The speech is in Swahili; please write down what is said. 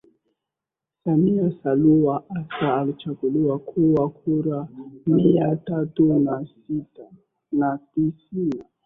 Samia Suluhu Hassan alichaguliwa kwa kura mia tatu na tisini